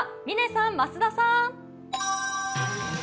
嶺さん、増田さん。